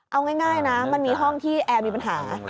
เอาง่ายนะมันมีห้องที่แอร์มีปัญหา